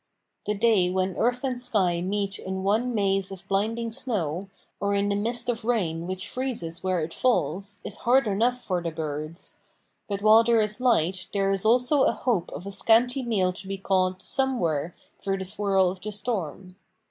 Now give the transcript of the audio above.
The day when earth and sky meet in one maze of blinding snow, or in the mist of rain which freezes where it falls, is hard enough for the birds; but while there is light there is also a hope of a scanty meal to be caught somewhere through the swirl of the storm.